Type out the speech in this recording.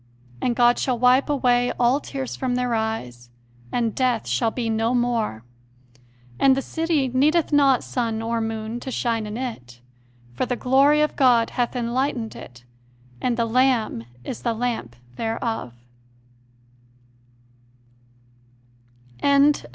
... and God shall wipe away all tears from their eyes, and death shall be no more ... And the City needeth not sun or moon to shine in it; for the glory of God hath enlight ened it, and the Lamb is the lamp thereof."